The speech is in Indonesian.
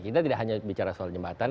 kita tidak hanya bicara soal jembatan